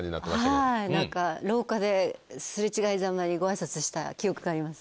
はい廊下で擦れ違いざまにご挨拶した記憶があります。